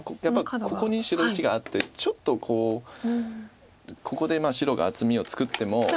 やっぱりここに白石があってちょっとここで白が厚みを作っても。